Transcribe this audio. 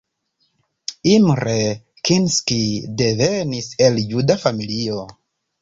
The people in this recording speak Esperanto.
Imre Kinszki devenis el juda familio.